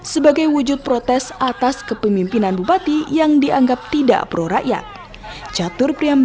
sebagai wujud protes atas kepemimpinan bupati yang dianggap tidak pro rakyat